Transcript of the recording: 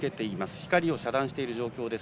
光を遮断している状況です。